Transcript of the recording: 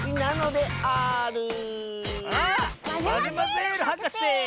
マゼマゼールはかせ！